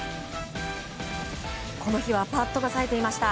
この日はパットが冴えていました。